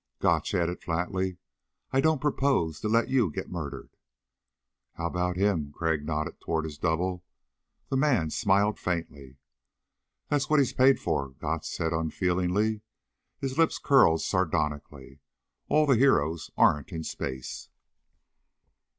Gotch added flatly: "I don't propose to let you get murdered." "How about him?" Crag nodded toward his double. The man smiled faintly. "That's what he's paid for," Gotch said unfeelingly. His lips curled sardonically. "All the heroes aren't in space."